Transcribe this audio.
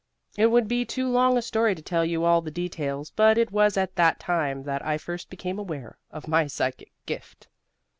It would be too long a story to tell you all the details, but it was at that time that I first became aware of my psychic gift."